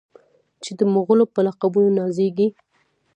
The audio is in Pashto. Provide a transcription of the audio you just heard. چې د مغلو په لقبونو نازیږي.